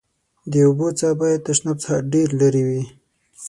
د اوبو څاه باید تشناب څخه ډېر لېري وي.